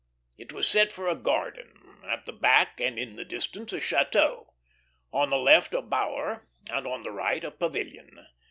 It was set for a garden; at the back and in the distance a chateau; on the left a bower, and on the right a pavilion.